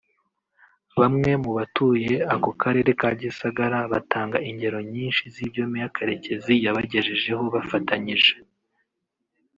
Bamwe mu batuye ako Karere ka Gisagara batanga ingero nyinshi z’ibyo Meya Karekezi yabagejejeho bafatanyije